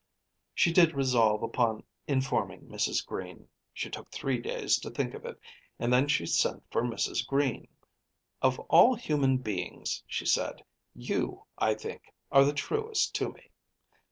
She did resolve upon informing Mrs. Green. She took three days to think of it, and then she sent for Mrs. Green. "Of all human beings," she said, "you, I think, are the truest to me."